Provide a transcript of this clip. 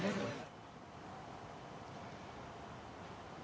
lực lượng công an